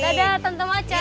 dadah tante macan